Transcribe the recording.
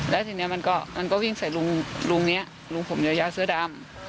แล้วทีนี้มันก็มันก็วิ่งใส่ลุงลุงนี้ลุงผมยาวเสื้อดำ